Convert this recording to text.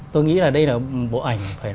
tôi nghĩ đây là bộ ảnh khá là tốt